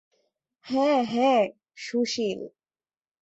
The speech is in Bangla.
হ্যাঁ হ্যাঁ, সুশীল।